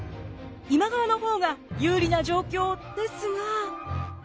今川の方が有利な状況ですが。